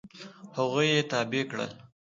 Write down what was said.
هغوی یې تابع کړل.